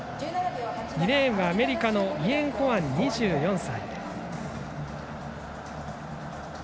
２レーンはアメリカのイェン・ホアン２４歳。